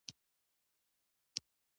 تنور د خټینو دیوالونو ښکلا ده